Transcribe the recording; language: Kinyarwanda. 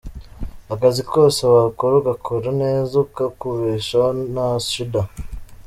Akazi kose wakora ukagakora neza kakubeshaho nta shida.